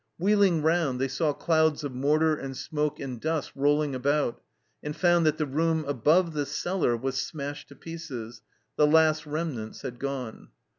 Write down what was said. Wheeling round, they saw clouds of mortar and smoke and dust rolling about, and found that the room above the cellar was smashed to pieces, the last remnants had gone.